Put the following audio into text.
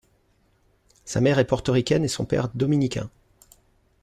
Sa mère est portoricaine et son père dominicain.